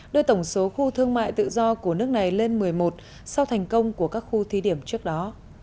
đưa tổng số khu thương mại tự do của nước này lên một mươi một sau thành công của các khu thi điểm trước đó